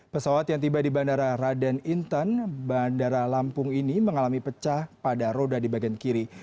pesawat yang tiba di bandara raden inten bandara lampung ini mengalami pecah pada roda di bagian kiri